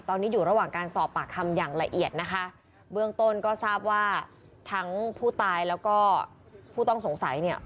ตอนนี้อยู่ระหว่างการสอบปากคำอย่างละเอียดนะคะเบื้องต้นก็ทราบว่าทั้งผู้ตายแล้วก็ผู้ต้องสงสัยเนี่ย